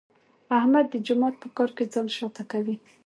احمد د جومات په کار کې ځان شاته کوي.